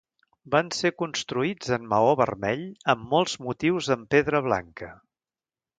Van ser construïts en maó vermell amb molts motius en pedra blanca.